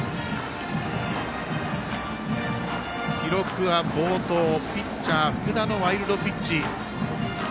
記録は暴投ピッチャー、福田のワイルドピッチ。